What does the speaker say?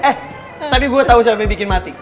eh tadi gue tau siapa yang bikin mati